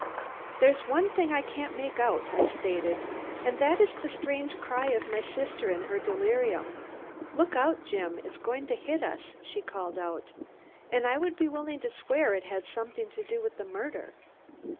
"There's one thing I can't make out," I stated, "and that is the strange cry of my sister in her delirium. 'Look out, Jim! It's going to hit us,' she called out, and I would be willing to swear it had something to do with the murder."